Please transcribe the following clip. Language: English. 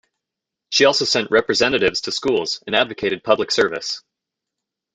She also sent representatives to schools and advocated public service.